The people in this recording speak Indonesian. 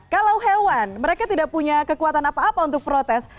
kalau hewan mereka tidak punya kekuatan apa apa untuk protes